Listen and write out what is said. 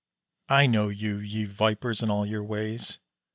I know you, ye vipers, and all your ways.